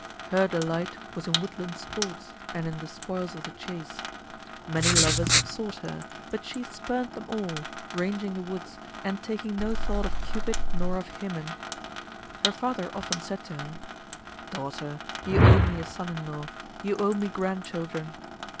Her delight was in woodland sports and in the spoils of the chase. Many lovers sought her, but she spurned them all, ranging the woods, and taking no thought of Cupid nor of Hymen. Her father often said to her, "Daughter, you owe me a son in law; you owe me grandchildren."